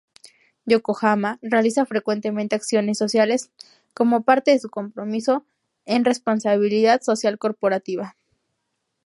Yokohama realiza frecuentemente acciones sociales como parte de su compromiso en responsabilidad social corporativa.